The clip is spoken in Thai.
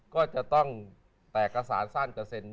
ก็จะต้องแตกกระสารสั้นจะเซ็น